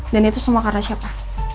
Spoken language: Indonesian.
dan itu semua karena siapa